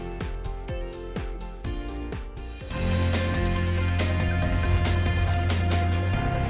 pembelajaran dan penghargaan dpr di jepang